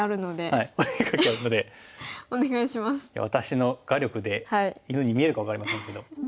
私の画力で犬に見えるか分かりませんけど。